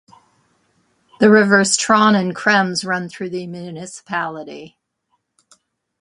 The rivers Traun and Krems run through the municipality.